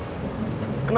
lihat bahan putihnya